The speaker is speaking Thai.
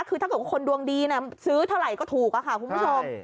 คือถ้าเกิดว่าคนดวงดีซื้อเท่าไหร่ก็ถูกค่ะคุณผู้ชม